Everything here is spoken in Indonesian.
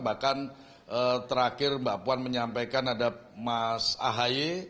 bahkan terakhir mbak puan menyampaikan ada mas ahaye